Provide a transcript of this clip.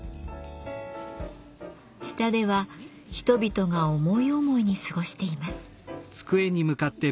下では人々が思い思いに過ごしています。